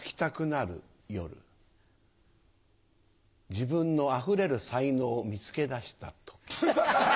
自分のあふれる才能を見つけ出した時。